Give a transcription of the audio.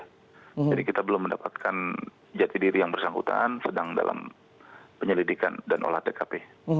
jadi kita belum mendapatkan jati diri yang bersangkutan sedang dalam penyelidikan dan olah tkp